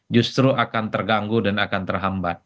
justru akan terganggu dan akan terhambat